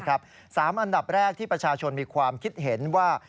อันดับแรกที่ประชาชนมีความคิดเห็นว่า